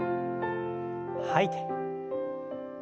吐いて。